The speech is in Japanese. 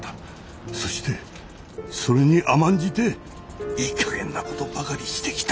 そしてそれに甘んじていいかげんなことばかりしてきた。